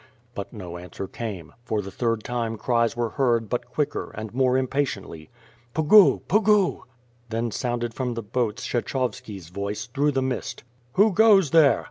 But no answer came; for the third time cries were heard but quicker, and more impatiently. Pugu! Pugu! Then sounded from the boats Kshechovski's voice, through the mist: "Who goes there?"